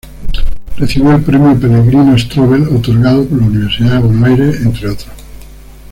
Recibió el Premio Pellegrino Strobel otorgado por la Universidad de Buenos Aires, entre otros.